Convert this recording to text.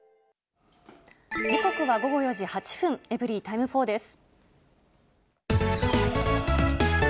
時刻は午後４時８分、エブリィタイム４です。